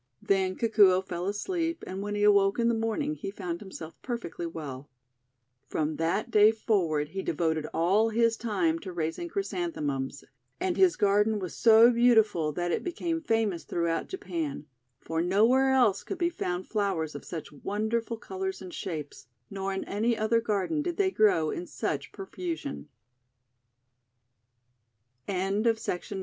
Then Kikuo fell asleep, and when he awoke in the morning he found himself perfectly well. CHRYSANTHEMUM CHILDREN 49 From that day forward he devoted all his time to raising Chrysanthemums, and his garden was so beautiful that it became famous through out Japan, for nowhere else could be found flow ers of such wonderful colours and shapes, nor in any other garden did they grow in such pro fusion.